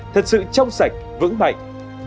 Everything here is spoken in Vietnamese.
thật sự trong sạch vững bạch